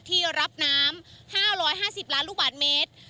ที่รับน้ำ๕๕๐ล้านลูกบาทเมตร